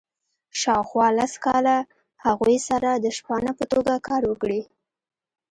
شاوخوا لس کاله هغوی سره د شپانه په توګه کار وکړي.